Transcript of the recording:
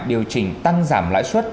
điều chỉnh tăng giảm lãi suất